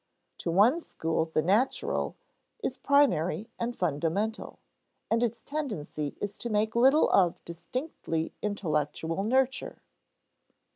To one school, the natural is primary and fundamental; and its tendency is to make little of distinctly intellectual nurture.